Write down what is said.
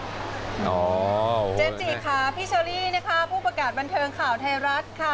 เจนจิค่ะพี่เชอรี่นะคะผู้ประกาศบันเทิงข่าวไทยรัฐค่ะ